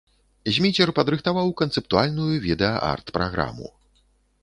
Зміцер падрыхтаваў канцэптуальную відэа-арт-праграму.